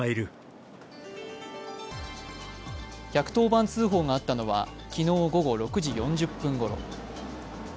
１１０番通報があったのは昨日午後６時４０分ごろ。